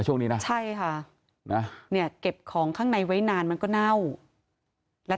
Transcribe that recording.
ช่วงนี้นะใช่ค่ะนะเนี่ยเก็บของข้างในไว้นานมันก็เน่าแล้ว